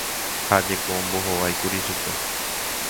Ha jeko ombohováikuri chupe